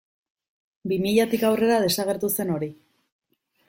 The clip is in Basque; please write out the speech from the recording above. Bi milatik aurrera desagertu zen hori.